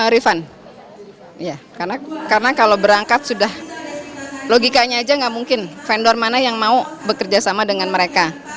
rifan karena kalau berangkat sudah logikanya aja nggak mungkin vendor mana yang mau bekerja sama dengan mereka